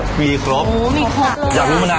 กีรียูหว่ะเนี่ยไง